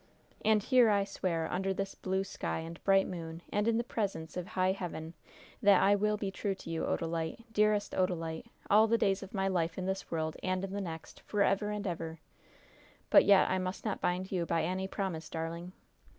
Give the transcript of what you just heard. And here I swear, under this blue sky and bright moon and in the presence of high heaven, that I will be true to you, Odalite, dearest Odalite, all the days of my life in this world and in the next, forever and ever! But yet I must not bind you by any promise, darling?"